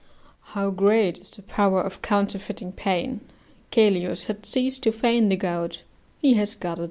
["How great is the power of counterfeiting pain: Caelius has ceased to feign the gout; he has got it."